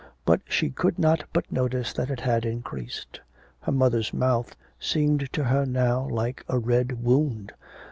But she could not but notice that it had increased. Her mother's mouth seemed to her now like a red wound.